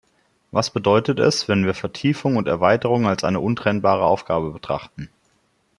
Was bedeutet es, wenn wir Vertiefung und Erweiterung als eine untrennbare Aufgabe betrachten?